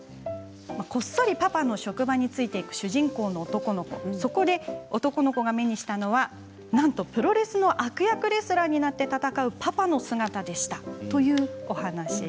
こっそりパパの職場について行く主人公の男の子そこで男の子が目にしたのはなんとプロレスの悪役レスラーになって戦うパパの姿でしたというお話。